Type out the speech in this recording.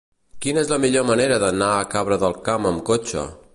Quina és la millor manera d'anar a Cabra del Camp amb cotxe?